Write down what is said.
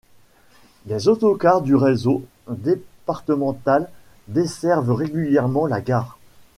Des autocars du réseau départemental desservent régulièrement la gare.